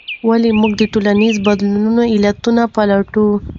ولې موږ د ټولنیزو بدلونونو علتونه پلټو؟